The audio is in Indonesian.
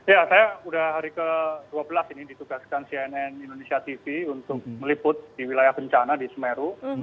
ya saya sudah hari ke dua belas ini ditugaskan cnn indonesia tv untuk meliput di wilayah bencana di semeru